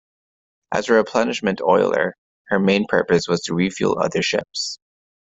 As a replenishment oiler, her main purpose was to refuel other ships.